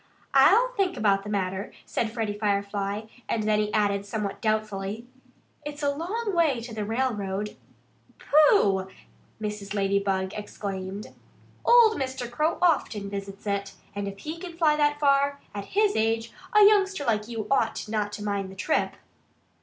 "I'll think about the matter," said Freddie Firefly. And then he added somewhat doubtfully: "It's a long way to the railroad." "Pooh!" Mrs. Ladybug exclaimed. "Old Mr. Crow often visits it. And if he can fly that far, at his age, a youngster like you ought not to mind the trip."